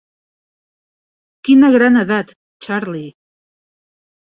Quina gran edat, Charlie!